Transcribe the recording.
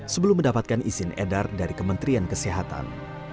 sebelum mendapatkan izin edar dari kementerian kesehatan